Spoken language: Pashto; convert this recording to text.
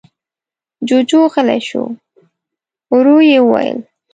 جُوجُو غلی شو. ورو يې وويل: